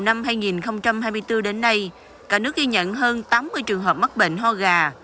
năm hai nghìn hai mươi bốn đến nay cả nước ghi nhận hơn tám mươi trường hợp mắc bệnh ho gà